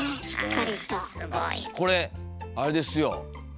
これあれですよ。